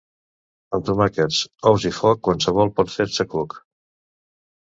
Amb tomàquets, ous i foc qualsevol pot fer-se coc.